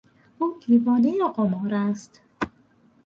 او دیوانهی قمار است.